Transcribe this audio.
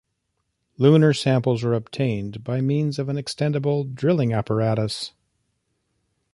Lunar samples were obtained by means of an extendable drilling apparatus.